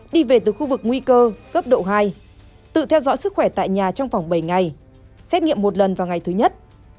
đi về từ khu vực nguy cơ cấp độ hai tự theo dõi sức khỏe tại nhà trong vòng bảy ngày xét nghiệm một lần vào ngày thứ nhất